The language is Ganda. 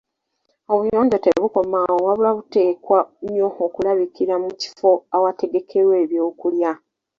Obuyonjo tebukoma awo wabula buteekwa nnyo okulabikira mu kifo awategekerwa ebyokulya.